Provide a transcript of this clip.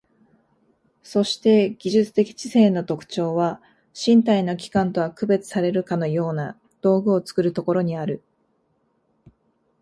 そして技術的知性の特徴は、身体の器官とは区別されるかような道具を作るところにある。